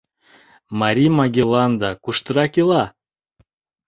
— Марий Магелланда куштырак ила?